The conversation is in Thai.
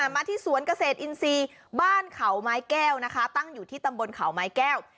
มาที่สวนเกษตรอินทรีย์บ้านเขาไม้แก้วนะคะตั้งอยู่ที่ตำบลเขาไม้แก้ว